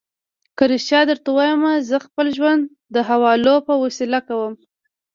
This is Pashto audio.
که رښتیا درته ووایم، زه خپل ژوند د حوالو په وسیله کوم.